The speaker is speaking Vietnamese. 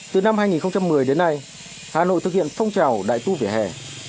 từ năm hai nghìn một mươi đến nay hà nội thực hiện phong trào đại tu vỉa hè